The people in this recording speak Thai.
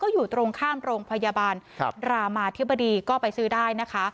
อยู่ตรงข้ามโรงพยาบาลรามาธิบดีก็ไปซื้อได้นะคะ